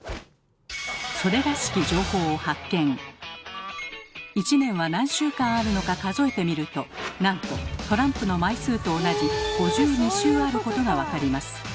⁉それらしき１年は何週間あるのか数えてみるとなんとトランプの枚数と同じ５２週あることが分かります。